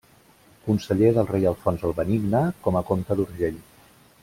Conseller del rei Alfons el Benigne, com a comte d'Urgell.